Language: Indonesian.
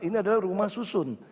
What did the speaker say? ini adalah rumah susun